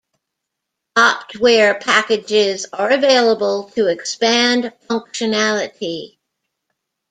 Optware packages are available to expand functionality.